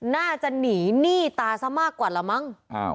น่าจะหนีหนี้ตาซะมากกว่าละมั้ง